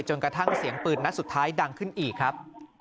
กระทั่งเสียงปืนนัดสุดท้ายดังขึ้นอีกครับ